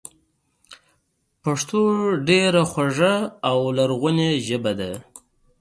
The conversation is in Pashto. پښتو ډېره خواږه او لرغونې ژبه ده